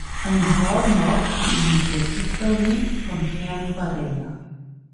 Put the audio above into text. Ein Wort noch zum Initiativbericht von Herrn Varela.